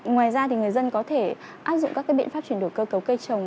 ngoài ra người dân có thể áp dụng các biện pháp chuyển đổi cơ cấu cây trồng